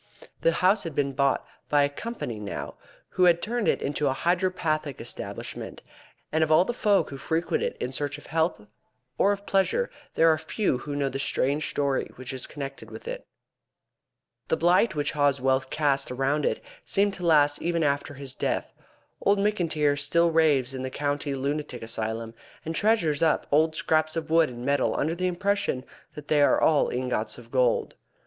The house has been bought by a company now, who have turned it into a hydropathic establishment, and of all the folk who frequent it in search of health or of pleasure there are few who know the strange story which is connected with it. The blight which Haw's wealth cast around it seemed to last even after his death. Old McIntyre still raves in the County Lunatic Asylum, and treasures up old scraps of wood and metal under the impression that they are all ingots of gold.